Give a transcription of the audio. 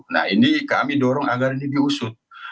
nah ini kami dorong agar ini diusut